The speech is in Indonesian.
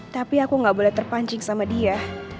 tapi aku gak boleh terpancing sama dia